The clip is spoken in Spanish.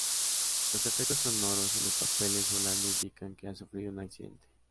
Los efectos sonoros y los papeles volando indican que ha sufrido un accidente.